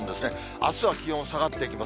あすは気温下がってきます。